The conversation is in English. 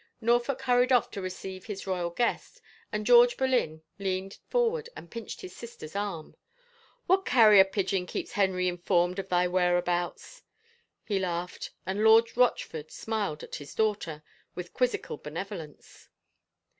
Norfolk hurried off to receive his royal guest and George Boleyn leaned forward and pinched his sister's arm. " What carrier pigeon keeps Henry informed of thy whereabouts?" he laughed, and Lord Rochford smiled at his daughter with quizzical benevolence.